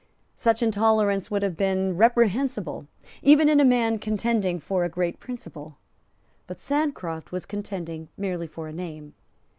Such intolerance would have been reprehensible, even in a man contending for a great principle. But Sancroft was contending merely for a name.